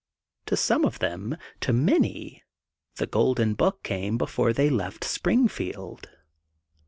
To some of them, to many, The Golden Book came before they left Springfield.